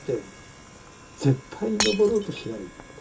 絶対登ろうとしない。